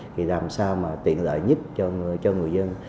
thì làm sao mà tiện lợi nhất cho người dân